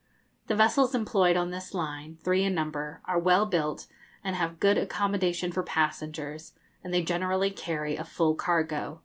The vessels employed on this line, three in number, are well built, and have good accommodation for passengers, and they generally carry a full cargo.